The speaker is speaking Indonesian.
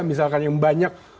misalkan yang banyak